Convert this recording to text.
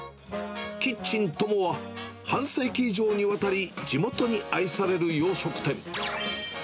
キッチントモは、半世紀以上にわたり、地元に愛される洋食店。